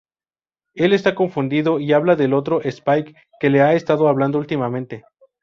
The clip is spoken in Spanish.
Él está confundido y habla del otro Spike que le ha estado hablando últimamente.